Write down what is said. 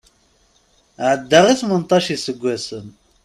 Ɛeddaɣ i tmenṭac isaggasen.